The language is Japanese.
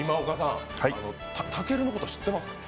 たけるのこと知ってますか？